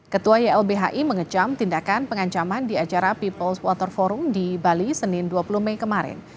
ketua ylbhi mengecam tindakan pengancaman di acara peoples water forum di bali senin dua puluh mei kemarin